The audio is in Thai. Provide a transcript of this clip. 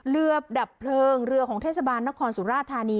ดับเพลิงเรือของเทศบาลนครสุราธานี